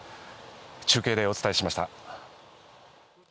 中継でお伝えしました。